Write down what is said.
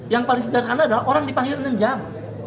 yang paling sederhana adalah orang dipanggil enam jam